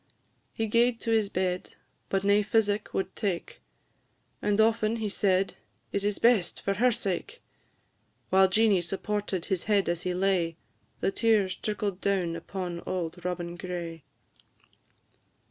He gaed to his bed, but nae physic would take, And often he said, "It is best, for her sake!" While Jeanie supported his head as he lay, The tears trickled down upon auld Robin Gray.